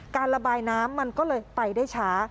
ระบายน้ำมันก็เลยไปได้ช้า